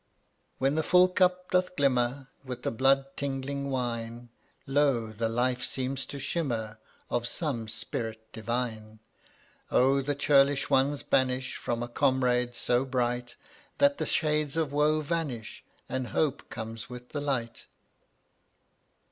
139 When the full cup doth glimmer With the blood tingling wine, Lo! the life seems to shimmer Of some spirit divine. Oh, the churlish ones banish From a comrade so bright, That the shades of woe vanish And Hope come with the light.